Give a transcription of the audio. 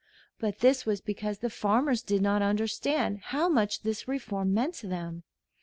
But this was because the farmers did not understand how much this reform meant to them.